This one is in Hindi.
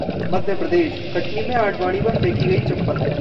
मध्य प्रदेश: कटनी में आडवाणी पर फेंकी गई चप्पल